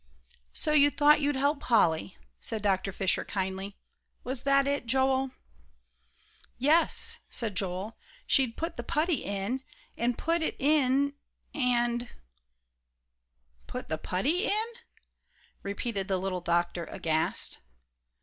"So you thought you'd help Polly," said Dr. Fisher, kindly; "was that it, Joel?" "Yes," said Joel; "she'd put the putty in, and put it in and " "Put the putty in?" repeated the little doctor, aghast.